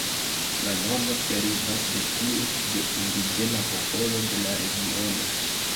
La nomo derivas de tiu de indiĝena popolo de la regiono.